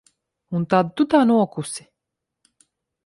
Un tad tu tā nokusi?